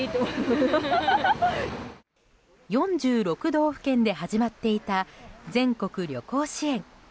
４６道府県で始まっていた全国旅行支援。